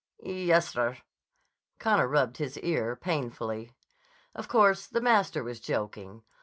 "Yes, sir." Connor rubbed his ear painfully. Of course the master was joking.